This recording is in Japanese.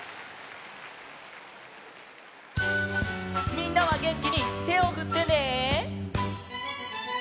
みんなはげんきにてをふってね！